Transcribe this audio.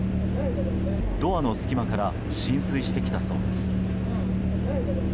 ドアの隙間から浸水してきたそうです。